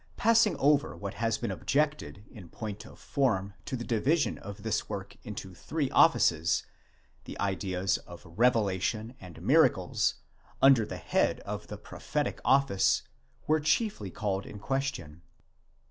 Passing over what has been objected in point of form to the division of this work into three offices, the ideas of revelation and miracles, under the head of the prophetic office, were chiefly called in question.